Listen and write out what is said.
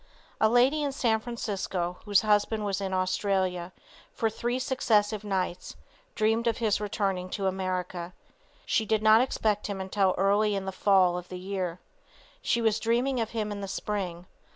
A lady in San Francisco (whose husband was in Australia) for three successive nights, dreamed of his returning to America. She did not expect him until early in the fall of the year. She was dreaming of him in the spring.